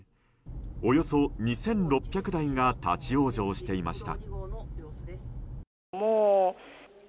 およそ２６００台が立ち往生していました。